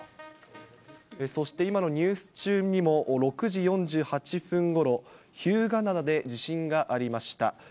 そして今のニュース中にも、６時４８分ごろ、日向灘で地震がありました。